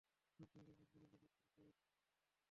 সব ধরনের মন-মালিন্য দূর করে দেয়।